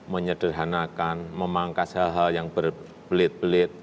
menyederhanakan memangkas hal hal yang berbelit belit